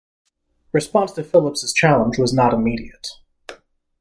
Response to Phillips' challenge was not immediate.